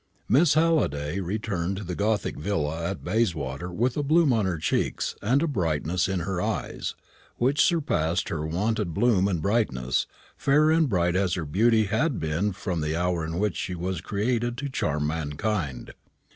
Miss Halliday returned to the gothic villa at Bayswater with a bloom on her cheeks, and a brightness in her eyes, which surpassed her wonted bloom and brightness, fair and bright as her beauty had been from the hour in which she was created to charm mankind.